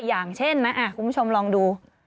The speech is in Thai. อย่างเช่นนะคุณผู้ชมลองดู